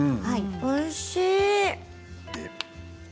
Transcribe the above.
おいしい。